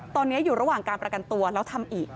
ตอนนี้อยู่ระหว่างการประกันตัวแล้วทำอีก